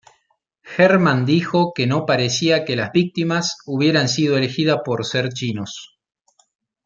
Herrmann dijo que no parecía que las víctimas hubieran sido elegidas por ser chinos.